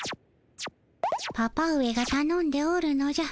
パパ上がたのんでおるのじゃ。